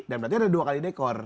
dan berarti ada dua kali dekor